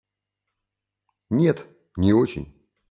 Нет, не очень.